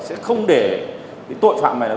sẽ không để tội phạm này